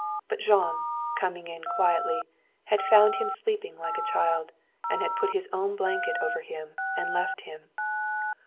But Jean, coming in quietly, had found him sleeping like a child, and had put his own blanket over him and left him.